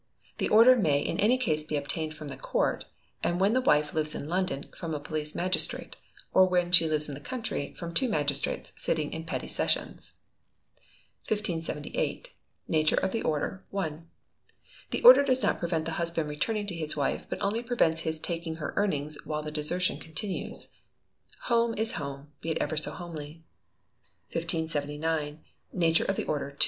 The order may in any case be obtained from the court, and when the wife lives in London, from a police magistrate; or where she lives in the country, from two magistrates sitting in petty sessions. 1578. Nature of the Order (1). The order does not prevent the Husband returning to his Wife, but only prevents his taking her earnings while the desertion eontinues. [HOME IS HOME, BE IT EVER SO HOMELY.] 1579. Nature of the Order (2).